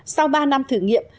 sau ba năm thử nghiệm